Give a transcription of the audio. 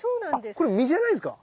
これ実じゃないんですか？